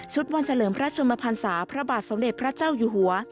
วันเฉลิมพระชมพันศาพระบาทสมเด็จพระเจ้าอยู่หัว